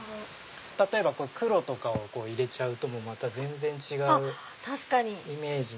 例えば黒とかを入れちゃうとまた全然違うイメージに。